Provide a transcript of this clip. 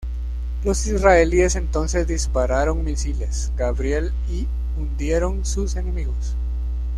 Los israelíes entonces dispararon misiles Gabriel y hundieron sus enemigos.